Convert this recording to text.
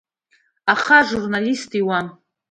Аха ажурналист иуам.